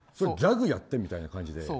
それギャグやってみたいな感じで。